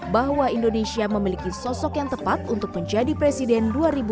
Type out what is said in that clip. bahwa indonesia memiliki sosok yang tepat untuk menjadi presiden dua ribu dua puluh